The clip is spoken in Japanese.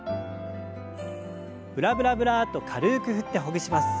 ブラブラブラッと軽く振ってほぐします。